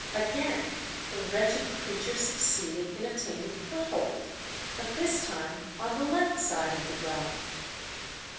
Again the wretched creature succeeded in obtaining foothold, but this time on the left side of the drop."